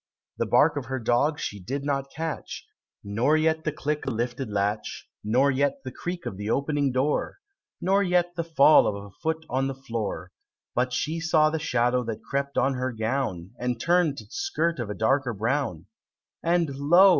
The bark of her dog she did not catch; Nor yet the click of the lifted latch; Nor yet the creak of the opening door; Nor yet the fall of a foot on the floor But she saw the shadow that crept on her gown And turn'd its skirt of a darker brown. And lo!